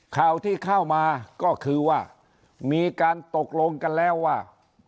ข่าวที่เข้ามาก็คือว่ามีการตกลงกันแล้วว่า